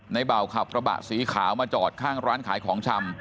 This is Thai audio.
เบาขับกระบะสีขาวมาจอดข้างร้านขายของชำ